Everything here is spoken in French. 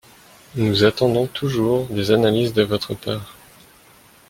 Nous attendons toujours des analyses de votre part